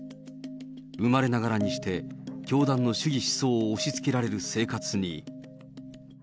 生まれながらにして教団の主義思想を押しつけられる生活に。